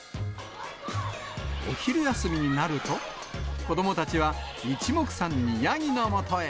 お昼休みになると、子どもたちはいちもくさんにヤギのもとへ。